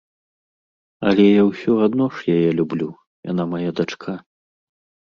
Але я ўсё адно ж яе люблю, яна мая дачка.